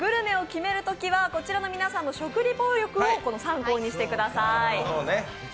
指名するグルメを決めるときはこちらの皆さんの食リポ力を参考にしてください。